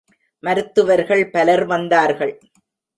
மருத்துவர்கள் பலர் வந்தார்கள்.